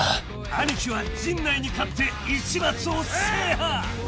［アニキは陣内に勝って市松を制覇！］